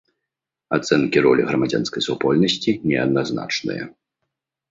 Ацэнкі ролі грамадзянскай супольнасці неадназначныя.